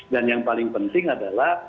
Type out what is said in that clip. dan yang paling penting adalah